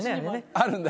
あるんだ。